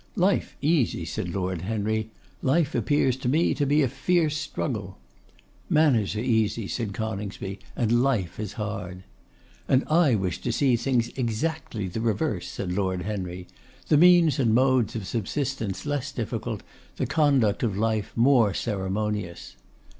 'Life easy!' said Lord Henry. 'Life appears to me to be a fierce struggle.' 'Manners are easy,' said Coningsby, 'and life is hard.' 'And I wish to see things exactly the reverse,' said Lord Henry. 'The means and modes of subsistence less difficult; the conduct of life more ceremonious.